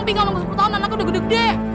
tapi kalo gak sepuluh tahun anaknya udah gede gede